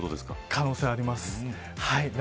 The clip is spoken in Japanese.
可能性あります。